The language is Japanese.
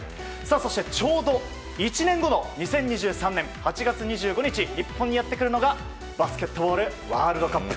そして、ちょうど１年後の２０２３年８月２５日日本にやってくるのがバスケットボールワールドカップ。